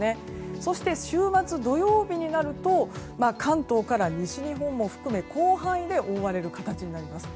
そして、週末土曜日になると関東から西日本を含め広範囲で覆われる形になります。